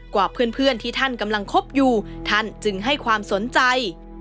กว่าเพื่อนที่ท่านกำลังคบอยู่ท่านจึงให้ความสนใจ